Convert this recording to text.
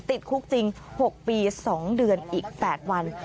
ติดคุกจริง๖ปี๒เดือนอีก๘วัน